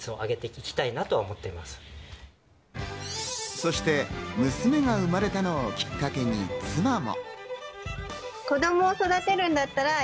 そして娘が生まれたのをきっかけに妻も。